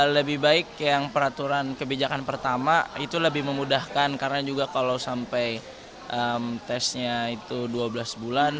lebih baik yang peraturan kebijakan pertama itu lebih memudahkan karena juga kalau sampai tesnya itu dua belas bulan